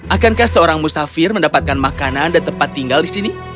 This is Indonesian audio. apakah seorang penyihir akan mendapatkan makanan dan tempat tinggal di sini